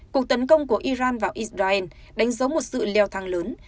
cuộc tấn công của iran vào israel đánh dấu một sự leo thang lớn